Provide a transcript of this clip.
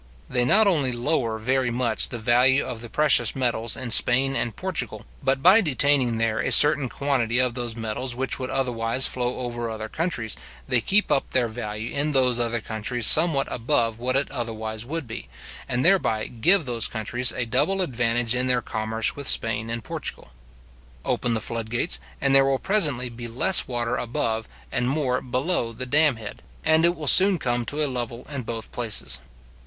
They not only lower very much the value of the precious metals in Spain and Portugal, but by detaining there a certain quantity of those metals which would otherwise flow over other countries, they keep up their value in those other countries somewhat above what it otherwise would be, and thereby give those countries a double advantage in their commerce with Spain and Portugal. Open the flood gates, and there will presently be less water above, and more below the dam head, and it will soon come to a level in both places.